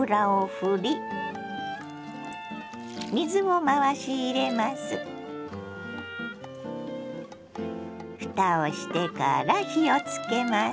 ふたをしてから火をつけます。